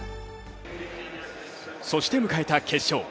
そして迎えた決勝。